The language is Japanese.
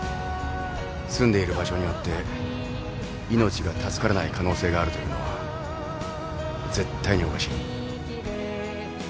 住んでいる場所によって命が助からない可能性があるというのは絶対におかしい。